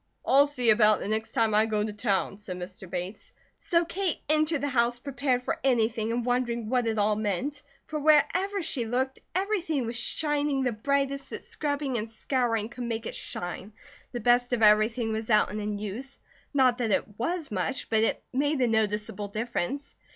"I'll see about it the next time I go to town," said Mr. Bates; so Kate entered the house prepared for anything and wondering what it all meant for wherever she looked everything was shining the brightest that scrubbing and scouring could make it shine, the best of everything was out and in use; not that it was much, but it made a noticeable difference.